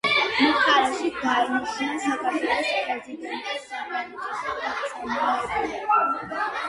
მხარეში დაინიშნა საქართველოს პრეზიდენტის სახელმწიფო რწმუნებულები.